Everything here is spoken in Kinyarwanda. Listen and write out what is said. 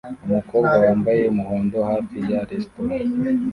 Umukobwa wambaye umuhondo hafi ya resitora